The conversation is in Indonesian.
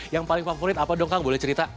yang paling favorit apa dong kang boleh cerita